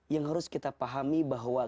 yang harus kita pahami bahwa